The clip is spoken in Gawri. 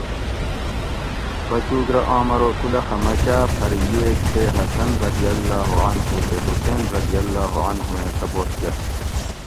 بچُوگ رہ آم ارو تُو لخہ مکاۤ پھر ییگ تے حسن رضی اللّٰہ عنہُ تے حُسین رضی اللّٰہ عنہُ ایں تپوس کۤر